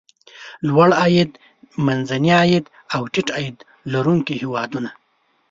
لوړ عاید، منځني عاید او ټیټ عاید لرونکي هېوادونه.